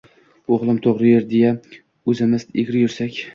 “O‘g‘lim, to‘g‘ri yur”, deya, o‘zimiz egri yursak